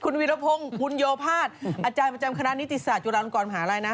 คุณวิรพงศ์คุณโยภาษย์อาจารย์ประจำคณะนิติศาสตุลาลงกรมหาลัยนะ